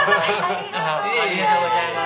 ありがとうございます。